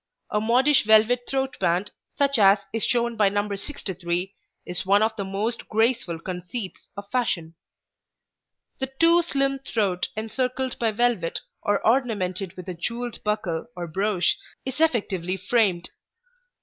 A modish velvet throat band, such as is shown by No. 63, is one of the most graceful conceits of fashion. The too slim throat encircled by velvet or ornamented with a jewelled buckle or brooch is effectively framed.